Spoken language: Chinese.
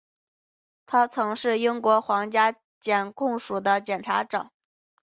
他曾是英国皇家检控署的检察长。